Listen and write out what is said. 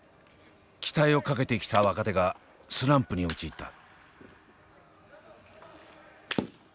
期待をかけてきた若手がスランプに陥った。